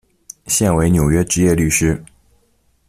现为纽约执业律师。